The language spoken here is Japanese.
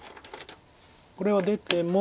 これは出ても。